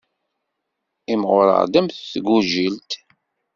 Imɣureɣ-d am tgujilt.